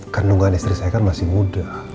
kandungan istri saya kan masih muda